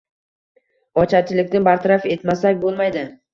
Ocharchilikni bartaraf etmasak bo‘lmaydi.